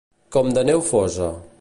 Com de neu fosa.